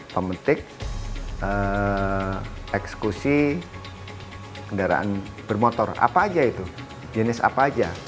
pemetik eksekusi kendaraan bermotor apa aja itu jenis apa aja